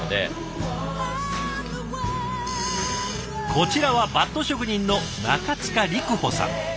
こちらはバット職人の中塚陸歩さん。